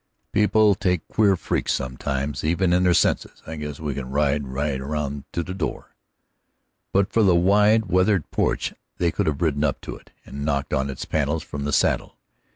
"People take queer freaks sometimes, even in their senses. I guess we can ride right around to the door." But for the wide, weathered porch they could have ridden up to it and knocked on its panels from the saddle.